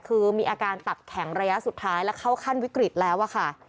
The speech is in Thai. คือมีอาการตับแข็งระยะสุดท้ายแล้วเข้าขั้นวิกฤตแล้วอะค่ะ